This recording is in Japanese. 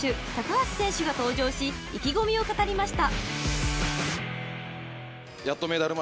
橋選手が登場し意気込みを語りました］